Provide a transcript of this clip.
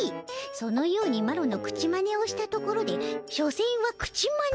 そのようにマロの口まねをしたところでしょせんは口まね。